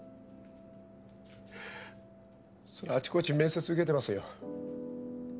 そりゃあちこち面接受けてますよ。